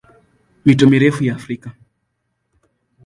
Mito mirefu ya Afrika